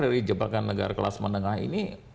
dari jebakan negara kelas menengah ini